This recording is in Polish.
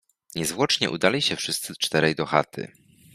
Niezwłocznie udali się wszyscy czterej do chaty.